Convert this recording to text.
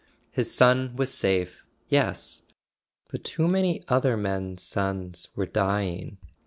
His son was safe; yes—but too many other men's sons were dying.